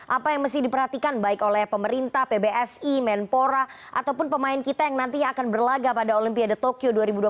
apa yang mesti diperhatikan baik oleh pemerintah pbsi menpora ataupun pemain kita yang nantinya akan berlaga pada olimpiade tokyo dua ribu dua puluh